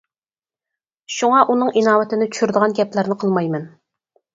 شۇڭا ئۇنىڭ ئىناۋىتىنى چۈشۈرىدىغان گەپلەرنى قىلمايمەن.